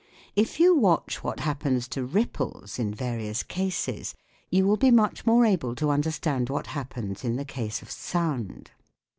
If you watch what happens to ripples in various cases you will be much more able to understand what happens in the case of sound.